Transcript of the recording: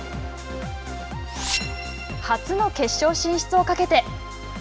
初の決勝進出をかけて！